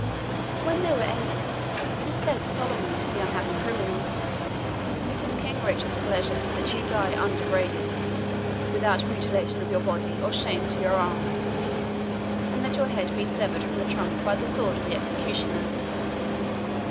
When they were ended, he said solemnly to the unhappy criminal, "It is King Richard's pleasure that you die undegraded without mutilation of your body, or shame to your arms and that your head be severed from the trunk by the sword of the executioner."